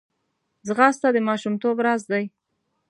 ځغاسته د ماشومتوب راز دی